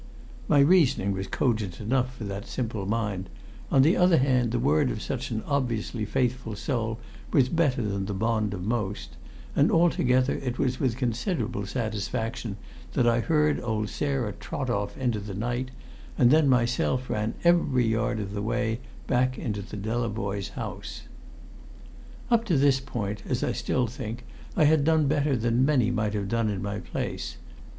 My reasoning was cogent enough for that simple mind; on the other hand, the word of such an obviously faithful soul was better than the bond of most; and altogether it was with considerable satisfaction that I heard old Sarah trot off into the night, and then myself ran every yard of the way back to the Delavoyes' house. Up to this point, as I still think, I had done better than many might have done in my place.